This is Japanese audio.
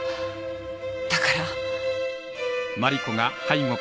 だから。